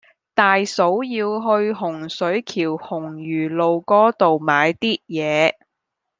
大嫂要去洪水橋洪儒路嗰度買啲嘢